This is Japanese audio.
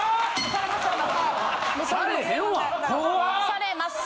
されます。